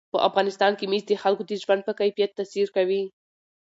په افغانستان کې مس د خلکو د ژوند په کیفیت تاثیر کوي.